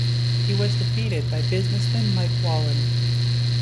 He was defeated by businessman Mike Whalen.